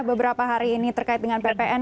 beberapa hari ini terkait dengan ppn